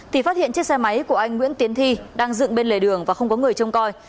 thì phát hiện chiếc xe máy của anh nguyễn tiến thi đang dựng bên lề đường và không có người trông coi